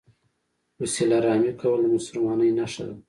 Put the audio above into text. وسیله رحمي کول د مسلمانۍ نښه ده.